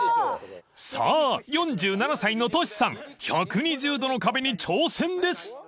［さあ４７歳のトシさん１２０度の壁に挑戦です］